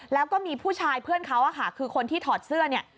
แล้วก็มีผู้ชายเพื่อนเขาคือคนที่ถอดเสื้อเนี่ย